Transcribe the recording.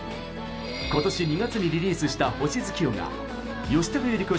今年２月にリリースした「星月夜」が吉高由里子